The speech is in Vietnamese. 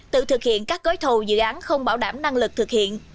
tự thực hiện các gói thầu dự án không bảo đảm năng lực thực hiện